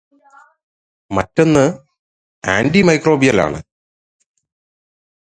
മറ്റൊന്ന് ആന്റിമൈക്രോബിയൽസ് ആണ്.